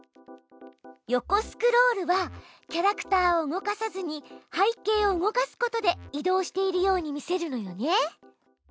横スクロールはキャラクターを動かさずに背景を動かすことで移動しているように見せるのよね。